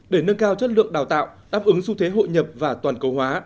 để nâng cao chất lượng đào tạo đáp ứng xu thế hội nhập và toàn cầu hóa